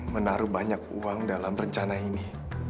menaruh banyak uang dalam rencana ini